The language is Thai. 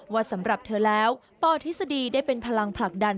สำหรับเธอแล้วปทฤษฎีได้เป็นพลังผลักดัน